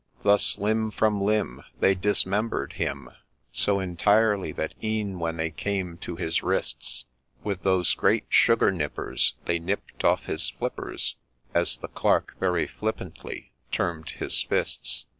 Thus, limb from limb, they dismember'd him So entirely, that e'en when they came to his wrists, With those great sugar nippers they nipped off his ' flippers,' As the Clerk, very flippantly, termed his fists.